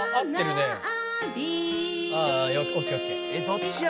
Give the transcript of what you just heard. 「どっちや？